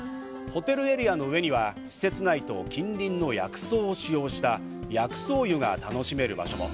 ホテルエリアの上には施設内と近隣の薬草を使用した薬草湯が楽しめる場所も。